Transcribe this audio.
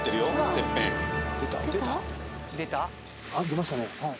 出ましたね。